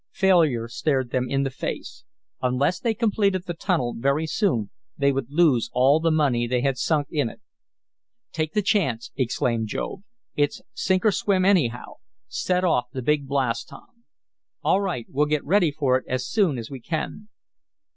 Failure stared them in the face. Unless they completed the tunnel very soon they would lose all the money they had sunk in it. "Take the chance!" exclaimed Job. "It's sink or swim anyhow. Set off the big blast, Tom." "All right. We'll get ready for it as soon as we can."